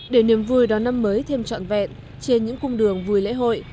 để niềm vui đón năm mới thêm trọn vẹn trên những cung đường vui lễ hội